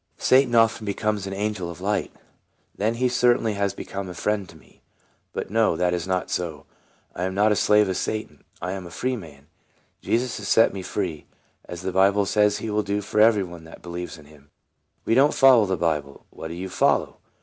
" Satan often becomes an angel of light." " Then he certainly has become a friend to me. But no, that is not so; I am not a slave of Satan, I am a free man. Jesus has set me free, as the Bible says he will do for every one that believes in him." "We do n't follow the Bible." " What do you follow